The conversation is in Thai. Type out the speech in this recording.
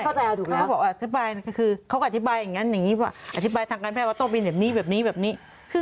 เขาก็บอกอธิบายก็คือเขาก็อธิบายอย่างนั้นอย่างนี้ว่าอธิบายทางการแพทย์ว่าต้องเป็นแบบนี้แบบนี้แบบนี้